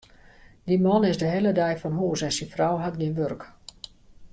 Dy man is de hiele dei fan hús en syn frou hat gjin wurk.